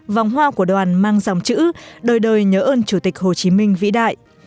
vòng hoa của đoàn mang dòng chữ đời đời nhớ ơn chủ tịch hồ chí minh vĩ đại